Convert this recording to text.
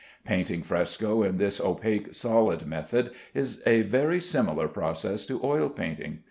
Painting fresco in this opaque, solid method is a very similar process to oil painting.